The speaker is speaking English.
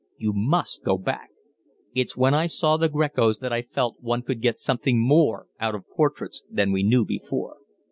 You must go back. It's when I saw the Grecos that I felt one could get something more out of portraits than we knew before."